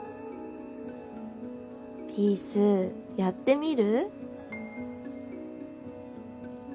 ピースやってみる？